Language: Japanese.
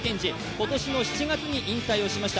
今年の７月に引退しました。